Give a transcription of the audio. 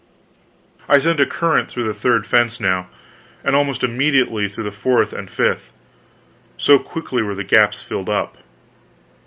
I sent a current through the third fence now; and almost immediately through the fourth and fifth, so quickly were the gaps filled up.